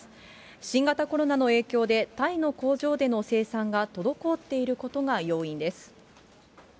新型コロナの影響で、タイの工場での生産が滞っていることが要因です。